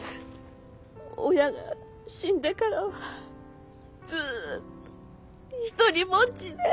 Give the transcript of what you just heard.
親が死んでからはずっと独りぼっちで。